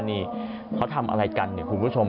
นี่เขาทำอะไรกันเนี่ยคุณผู้ชม